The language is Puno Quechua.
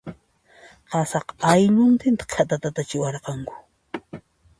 Qasaqa, aylluntinta khatatatachiwaranku.